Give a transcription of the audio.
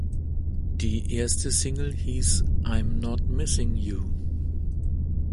Die erste Single hieß "I’m Not Missing You".